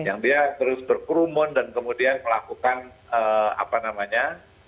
yang dia terus berkerumun dan kemudian melakukan apa namanya